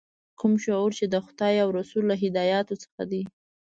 کوم شعور چې د خدای او رسول له هدایاتو څخه دی.